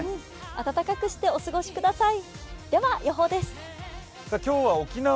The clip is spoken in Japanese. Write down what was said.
あたたかくしてお過ごしください。